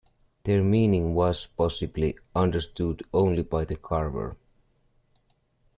Their meaning was, possibly, understood only by the carver.